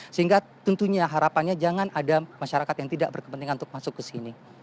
sehingga tentunya harapannya jangan ada masyarakat yang tidak berkepentingan untuk masuk ke sini